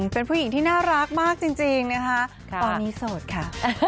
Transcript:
เป็นผู้หญิงที่น่ารักมากจริงนะคะตอนนี้โสดค่ะ